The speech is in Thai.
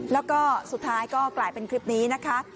แล้วก็สุดท้ายก็กลายเป็นคลิปนี้นะคะ